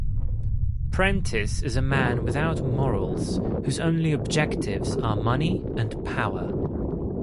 Prentiss is a man without morals, whose only objectives are money and power.